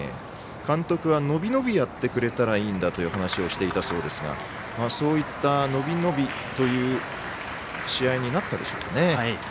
監督は伸び伸びやってくれたらいいんだというお話をしていたそうですがそういった伸び伸びという試合になったでしょうかね。